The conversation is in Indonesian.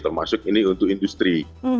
termasuk ini untuk industri